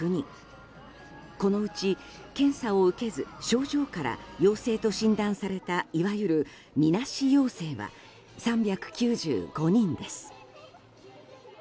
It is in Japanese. このうち、検査を受けず症状から陽性と診断されたいわゆる、みなし陽性は３９５人です。